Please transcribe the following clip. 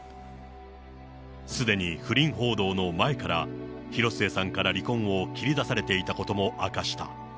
すでに不倫報道の前から広末さんから離婚を切り出されていたことも明かした。